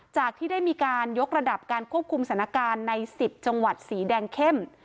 จากที่ได้มีการยกระดับการควบคุมสถานการณ์ใน๑๐จังหวัดสีแดงเข้ม